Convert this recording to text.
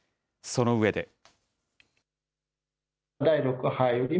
その上で。